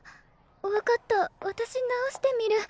分かった私直してみる。